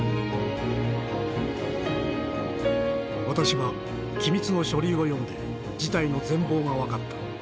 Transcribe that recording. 「私は機密の書類を読んで事態の全貌が分かった。